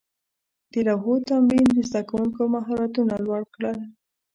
د لوحو تمرین د زده کوونکو مهارتونه لوړ کړل.